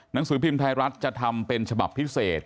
หนังสือพิมพ์ไทยรัฐจะทำเป็นฉบับพิเศษ